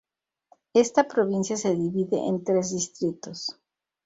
Esta provincia se divide en tres distritos.